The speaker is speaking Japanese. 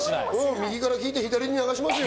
右から聞いて、左に流しますよ。